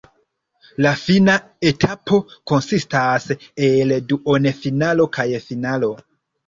Li fina etapo konsistas el duonfinalo kaj finalo.